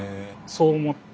そう思ってもう。